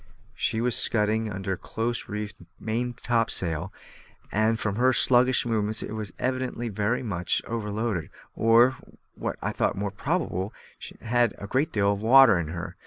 She was scudding under close reefed maintopsail, and, from her sluggish movements, was evidently very much overloaded, or, what I thought more probable, had a great deal of water in her.